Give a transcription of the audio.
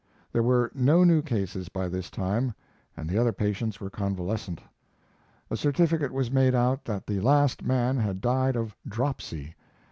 There were no new cases by this time, and the other patients were convalescent. A certificate was made out that the last man had died of "dropsy."